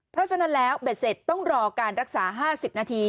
เพราะฉะนั้นแล้วเบ็ดเสร็จต้องรอการรักษา๕๐นาที